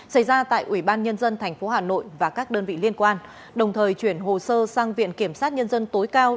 xảy ra tại ủy ban nhân dân tp hà nội và các đơn vị liên quan đồng thời chuyển hồ sơ sang viện kiểm sát nhân dân tối cao